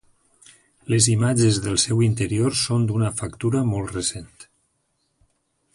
Les imatges del seu interior són d'una factura molt recent.